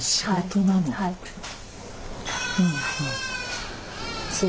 はい。